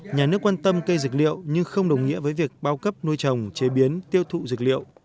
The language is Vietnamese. nhà nước quan tâm cây dược liệu nhưng không đồng nghĩa với việc bao cấp nuôi trồng chế biến tiêu thụ dược liệu